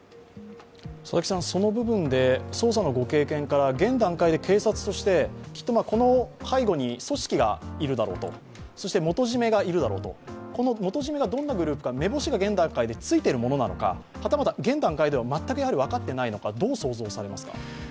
その部分で捜査のご経験から現段階で警察できっとこの背後に組織がいるだろうと、そして元締めがいるだろうと、元締めがどんな組織なのか目星がついているものなのかはたまた現段階では全く分かっていないのか、どう想像されますか？